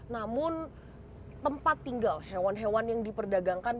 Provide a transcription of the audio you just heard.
namun tempat tinggal hewan hewan yang diperdagangkan